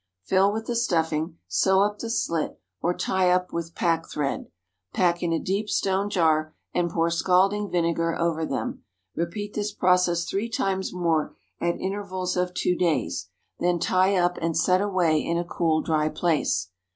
Fill with the stuffing; sew up the slit, or tie up with pack thread; pack in a deep stone jar, and pour scalding vinegar over them. Repeat this process three times more at intervals of two days, then tie up and set away in a cool, dry place.